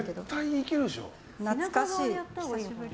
懐かしい、久しぶりだ。